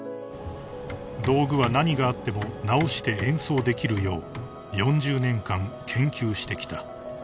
［道具は何があっても直して演奏できるよう４０年間研究してきた］